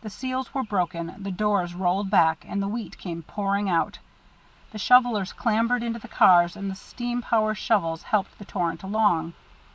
The seals were broken, the doors rolled back, and the wheat came pouring out. The shovellers clambered into the cars and the steam power shovels helped the torrent along.